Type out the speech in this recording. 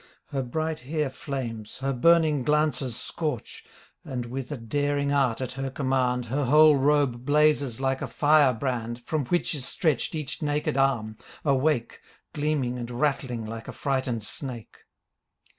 Her bright hair flames, her burning glances scorch. And with a daring art at her command Her whole robe blazes like a fire brand From which is stretched each naked arm, awake, Gleaming and rattling like a frightened snake.